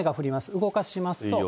動かしますと。